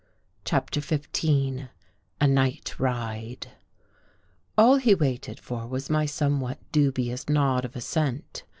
CHAPTER XV A NIGHT RIDE LL he waited for was my somewhat dubious n nod of assent.